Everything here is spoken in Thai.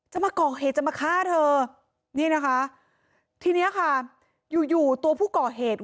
มาก่อเหตุจะมาฆ่าเธอนี่นะคะทีเนี้ยค่ะอยู่อยู่ตัวผู้ก่อเหตุ